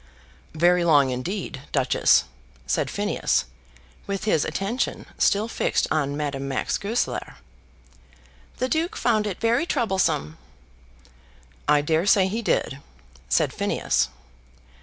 "Very long indeed, Duchess," said Phineas, with his attention still fixed on Madame Max Goesler. "The Duke found it very troublesome." "I daresay he did," said Phineas.